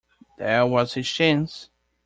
There was his chance.